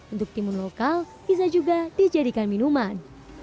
untuk timun lokal bisa juga dijadikan minuman